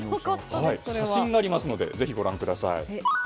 写真がありますのでご覧ください。